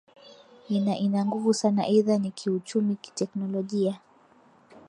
ina ina nguvu sana either nikiuchumi kitechnologia